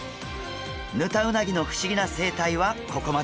ヌタウナギの不思議な生態はここまで。